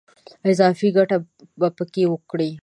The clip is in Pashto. اضافي ګټه په کې وکړي.